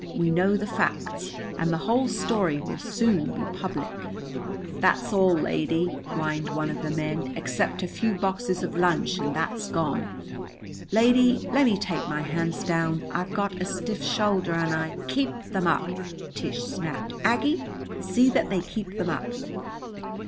We know the facts, and the whole story will soon be public." "That's all, lady," whined one of the men. "Except a few boxes of lunch, and that's gone. Lady, lemme take my hands down. I've got a stiff shoulder, and I " "Keep them up," Tish snapped. "Aggie, see that they keep them up."